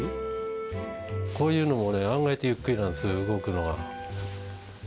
こういうのも案外とゆっくりなんです動くのが。